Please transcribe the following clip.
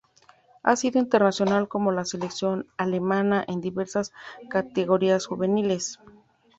Ha sido internacional con la selección alemana en diversas categorías juveniles.